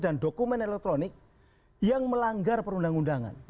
dan dokumen elektronik yang melanggar perundang undangan